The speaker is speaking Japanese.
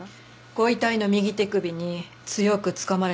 ご遺体の右手首に強くつかまれた痕が。